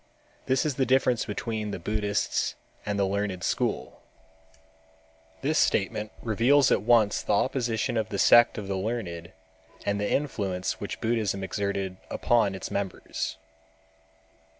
This is the difference between the Buddhists and the Learned School." [Footnote: Shu King, Pt. V, Bk. X, p. 122.] This statement reveals at once the opposition of the sect of the Learned and the influence which Buddhism exerted upon its members.